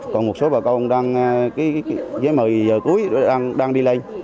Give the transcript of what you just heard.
còn một số bà con với một mươi giờ cuối đang đi lên